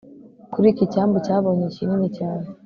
kuri iki cyambu cyabonye kinini cyane